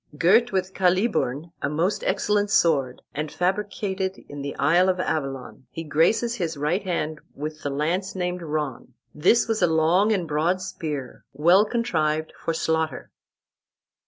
Girt with Caliburn, a most excellent sword, and fabricated in the isle of Avalon, he graces his right hand with the lance named Ron. This was a long and broad spear, well contrived for slaughter."